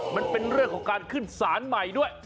มันเป็นเรื่องของการขึ้นสารใหม่ด้วย